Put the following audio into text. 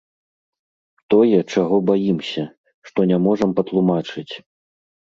Тое, чаго баімся, што не можам патлумачыць.